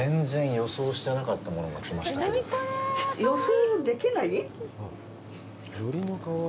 予想できない？